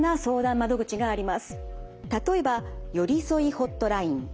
例えばよりそいホットライン。